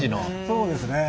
そうですね。